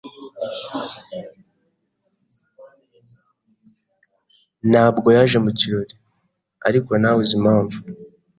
Ntabwo yaje mu kirori, ariko ntawe uzi impamvu.